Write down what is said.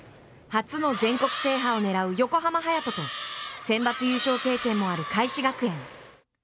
初の全国制覇を狙う横浜隼人と、センバツ優勝経験もある開志学園。